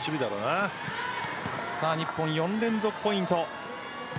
日本、４連続ポイント。